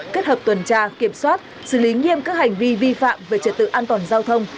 kết hợp tuần tra kiểm soát xử lý nghiêm các hành vi vi phạm về trật tự an toàn giao thông